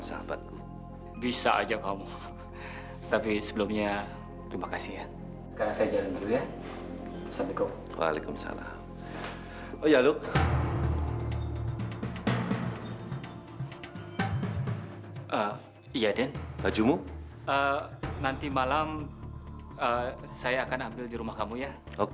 sampai jumpa di video selanjutnya